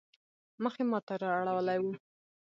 مخ يې ما ته رااړولی وو.